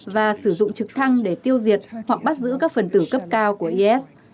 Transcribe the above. và sử dụng trực thăng để tiêu diệt hoặc bắt giữ các phần tử cấp cao của is